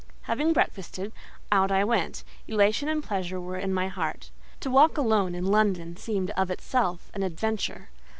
Having breakfasted, out I went. Elation and pleasure were in my heart: to walk alone in London seemed of itself an adventure.